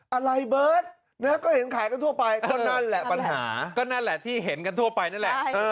อะไรเบิร์ตก็เห็นขายกันทั่วไปก็นั่นแหละปัญหาก็นั่นแหละที่เห็นกันทั่วไปนั่นแหละ